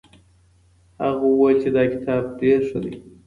هغه وویل چي دا کتاب ډېر ښه دی.